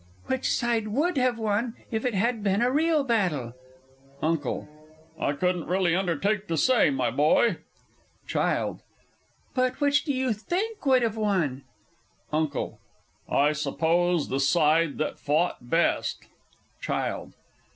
Which side would have won if it had been a real battle? UNCLE. I really couldn't undertake to say, my boy. CHILD. But which do you think would have won? UNCLE. I suppose the side that fought best. CHILD.